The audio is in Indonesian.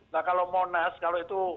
nah kalau monas kalau itu